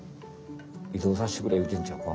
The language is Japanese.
移動させてくれ言うてんちゃうか？